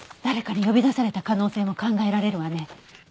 誰かに呼び出された可能性も考えられるわね。